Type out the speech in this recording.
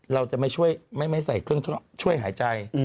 เราจะไม่ช่วยไม่ให้ใส่เครื่องช่วยหายใจ